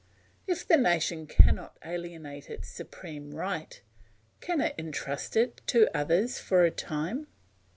If the nation cannot alienate its supreme right, can it entrust it to others for a time?